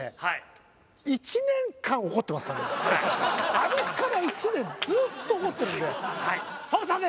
あれから１年ずっと怒ってるんで。